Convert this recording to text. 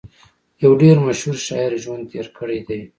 يو ډېر مشهور شاعر ژوند تېر کړی دی